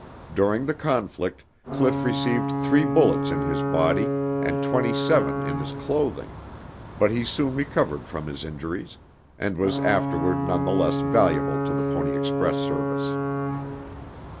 During the conflict, Cliff received three bullets in his body and twenty seven in his clothing, but he soon recovered from his injuries, and was afterward none the less valuable to the Pony Express service.